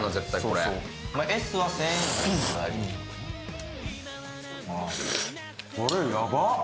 これやばっ